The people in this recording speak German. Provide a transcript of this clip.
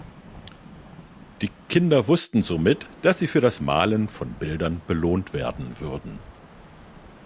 Die Kinder wussten somit, dass sie für das Malen von Bildern belohnt werden würden.